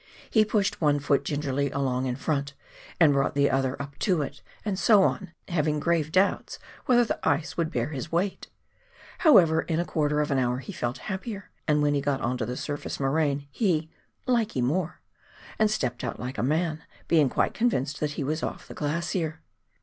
He pushed one foot gingerly along in front, and brought the other up to it, and so on, having grave doubts whether the ice would bear his weight ! However, in a quarter of an hour he felt happier, and when we got on to the surface moraine he " likee more," and stepped out like a man, being quite convinced that he was off the glacier.